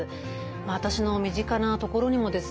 私の身近なところにもですね